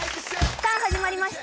さあ始まりました